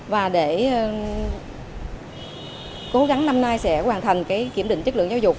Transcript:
và để cố gắng năm nay sẽ hoàn thành kiểm định chất lượng giáo dục